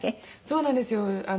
そうなんですよ。